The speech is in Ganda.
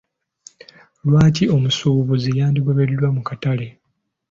Lwaki omusuubuzi yandigobeddwa mu katale?